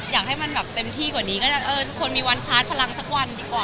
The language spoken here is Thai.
อยากให้มันแบบเต็มที่กว่านี้ก็จะเออทุกคนมีวันชาร์จพลังสักวันดีกว่า